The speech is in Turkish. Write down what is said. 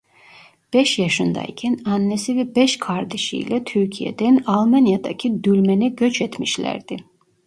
Beş yaşındayken annesi ve beş kardeşi ile Türkiye'den Almanya'daki Dülmen'e göç etmişlerdi.